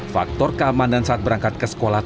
faktor keamanan saat berangkat ke sekolah